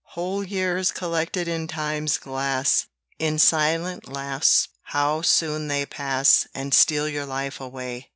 Whole years, collected in Time's glass, In silent lapse how soon they pass, And steal your life away!